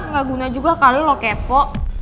gak guna juga kali lo kepo